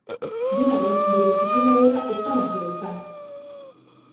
Dena den, bere osasun egoera ez da larria izan.